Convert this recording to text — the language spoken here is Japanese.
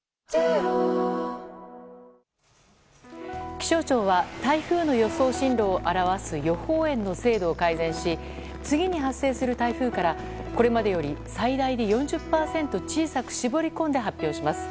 気象庁は台風の予想進路を示す予報円の制度を改善し次に発生する台風からこれまでより最大で４０％小さく絞り込んで発表します。